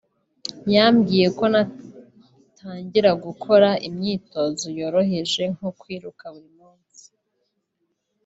yambwiye ko natangira gukora imyitozo yoroheje nko kwiruka buri munsi